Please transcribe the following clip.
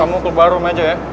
kamu ke barum aja ya